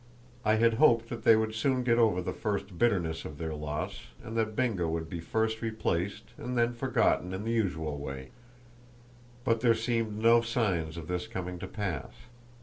I had hoped that they would soon get over the first bitterness of their loss, and that Bingo would be first replaced and then forgotten in the usual way; but there seemed no signs of this coming to pass.